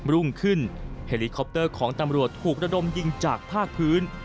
รุ่งขึ้นเฮลิคอปเตอร์ของตำรวจถูกระดมยิงจากภาคพื้น